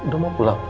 udah mau pulang